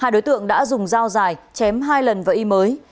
hai đối tượng đã dùng dao dài chém hai lần và y mới